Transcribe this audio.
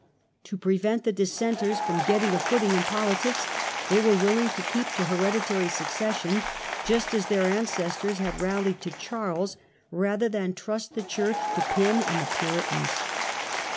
To prevent the Dissenters from getting a footing in politics they were willing to keep to hereditary succession, just as their an cestors had rallied to Charles, rather than trust the Church S6 CHARLES CRUSHES THE WHIGS. to Pym and the Puritans.